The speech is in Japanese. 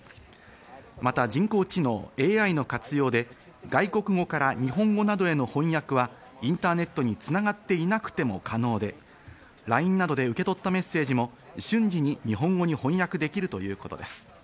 また人工知能＝ＡＩの活用で、外国語から日本語などへの翻訳はインターネットに繋がっていなくても可能で、ＬＩＮＥなどで受け取ったメッセージも瞬時に日本語に翻訳できるということです。